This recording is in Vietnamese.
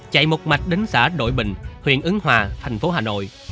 chạy một mạch đến xã đội bình huyện ứng hòa thành phố hà nội